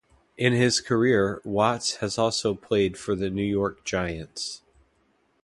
In his career, Watts has also played for the New York Giants.